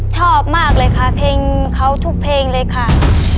ชอบมากเลยค่ะเพลงเขาทุกเพลงเลยค่ะ